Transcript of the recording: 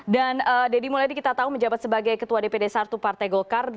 dan dedy mulyadi kita tahu menjabat sebagai ketua dpd sartu partai gokar